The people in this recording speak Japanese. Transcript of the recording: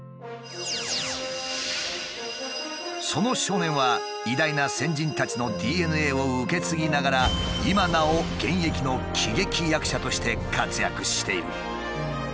その少年は偉大な先人たちのＤＮＡを受け継ぎながら今なお現役の喜劇役者として活躍している。